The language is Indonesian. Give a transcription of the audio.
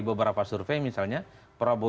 beberapa survei misalnya prabowo